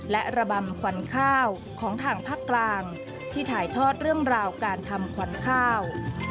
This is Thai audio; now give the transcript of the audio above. และระบำขวัญข้าวของทางภาคกลางที่ถ่ายทอดเรื่องราวการทำขวัญข้าว